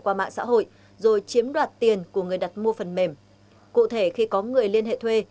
qua mạng xã hội rồi chiếm đoạt tiền của người đặt mua phần mềm cụ thể khi có người liên hệ thuê